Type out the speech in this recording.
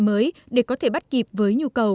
mới để có thể bắt kịp với nhu cầu